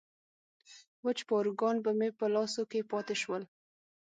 وچ پاروګان به مې په لاسو کې پاتې شول.